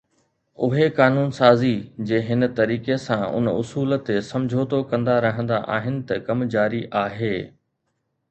اهي قانون سازي جي هن طريقي سان ان اصول تي سمجهوتو ڪندا رهندا آهن ته ڪم جاري آهي